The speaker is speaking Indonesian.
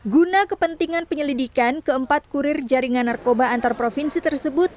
empat belas guna kepentingan penyelidikan keempat kurir jaringan narkoba antarprovinsi tersebut